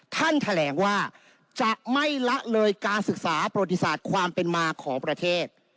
ท่านแถลงว่าจะไม่ละเลยการศึกษาประวัติศาสตร์ความเป็นมาของประเทศ